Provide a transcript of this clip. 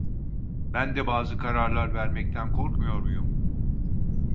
Ben de bazı kararlar vermekten korkmuyor muyum?